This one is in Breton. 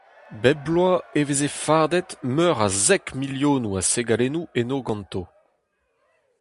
Bep bloaz e veze fardet meur a zek milionoù a segalennoù eno ganto.